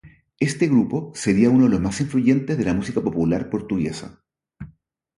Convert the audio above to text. Este grupo sería uno de los más influyentes de la música popular portuguesa.